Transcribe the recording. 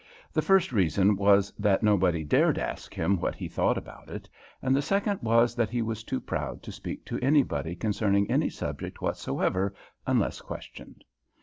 The first reason was that nobody dared ask him what he thought about it, and the second was that he was too proud to speak to anybody concerning any subject whatsoever, unless questioned.